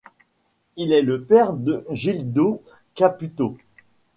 Il est le père de Gildo Caputo.